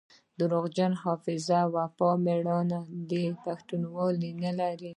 دروغجن حافظه وفا ميړانه پښتونولي نلري